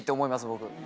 僕。